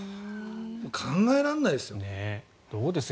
考えられないですよ。